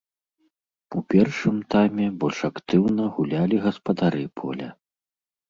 У першым тайме больш актыўна гулялі гаспадары поля.